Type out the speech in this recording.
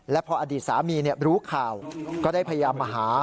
และพออดีตสามีรู้ข่าวก็ได้พยายามมาหา